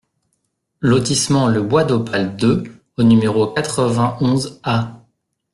Lotissement Le Bois d'Opale deux au numéro quatre-vingt-onze A